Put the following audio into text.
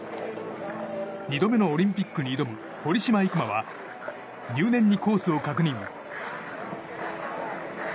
２度目のオリンピックに挑む堀島行真は入念にコースを確認。